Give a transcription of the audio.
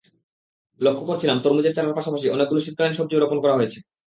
লক্ষ করছিলাম তরমুজের চারার পাশাপাশি অনেক শীতকালীন সবজিও রোপণ করা হয়েছে।